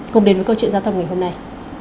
cùng đến với câu chuyện giao thông ngày hôm nay